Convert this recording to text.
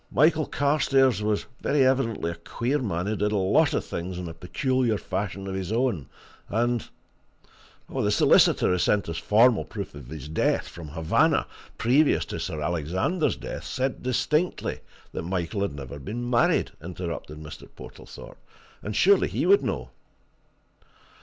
"Michael Carstairs was very evidently a queer man who did a lot of things in a peculiar fashion of his own, and " "The solicitor who sent us formal proof of his death, from Havana, previous to Sir Alexander's death, said distinctly that Michael had never been married," interrupted Mr. Portlethorpe. "And surely he would know!"